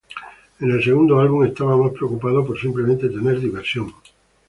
En el segundo álbum estaba más preocupada por simplemente tener diversión".